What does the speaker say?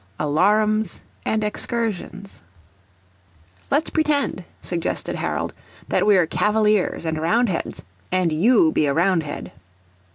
ALARUMS AND EXCURSIONS "Let's pretend," suggested Harold, "that we're Cavaliers and Roundheads; and YOU be a Roundhead!"